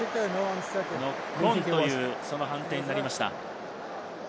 ノックオンという判定になりました。